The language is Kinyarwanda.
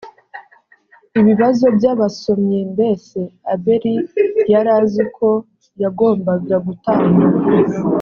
ibibazo by abasomyi mbese abeli yari azi ko yagombaga gutamba